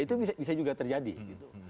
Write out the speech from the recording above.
itu bisa juga terjadi gitu